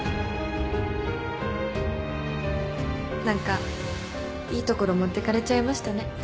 何かいいところ持ってかれちゃいましたね。